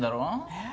えっ？